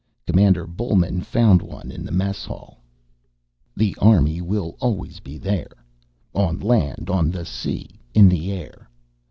Commander Bullman found one in the mess hall: _The Army will always be there, On the land, on the sea, in the air.